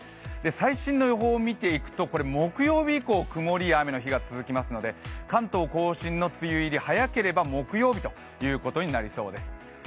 最新の予報で見ていくと木曜日以降曇り雨の日が続きますので関東甲信の梅雨入り、早ければ木曜日となりそうです。